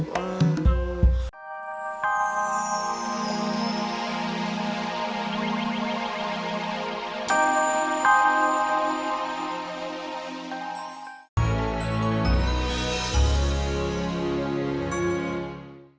kak eksr lion start up sandang jalan sekalian istitu saja